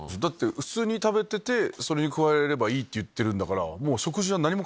普通に食べててそれに加えればいいって言ってるんだから。